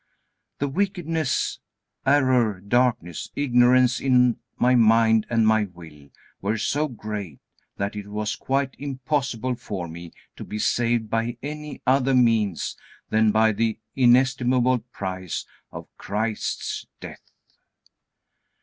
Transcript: The wickedness, error, darkness, ignorance in my mind and my will were so great, that it was quite impossible for me to be saved by any other means than by the inestimable price of Christ's death.